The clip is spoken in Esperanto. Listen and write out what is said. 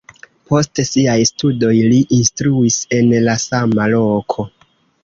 Post siaj studoj li instruis en la sama loko.